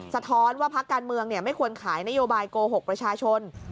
สะท้อนว่าพักการเมืองไม่ควรขายนโยบายโกหกประชาชน